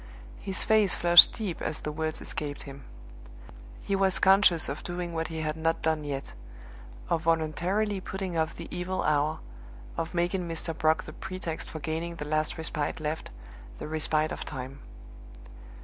His face flushed deep as the words escaped him. He was conscious of doing what he had not done yet of voluntarily putting off the evil hour; of making Mr. Brock the pretext for gaining the last respite left, the respite of time.